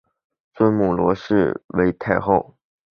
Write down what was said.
尊母罗氏为太后。